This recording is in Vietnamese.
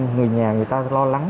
người nhà người ta lo lắng